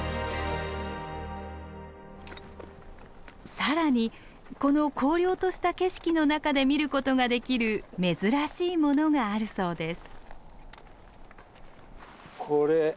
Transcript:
更にこの荒涼とした景色の中で見ることができる珍しいものがあるそうです。